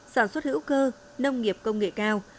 sản xuất hữu cơ nông nghiệp công nghệ cao